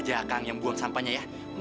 kamu harus dakitkan kudus pakaian kamu